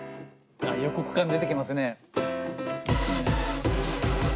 あ予告感出てきますね。